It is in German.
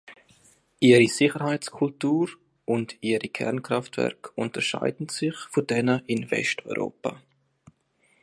Ihre Sicherheitskultur und ihre Kernkraftwerke unterscheiden sich von denen in Westeuropa.